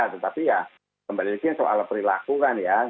tetapi ya kembali lagi soal perilaku kan ya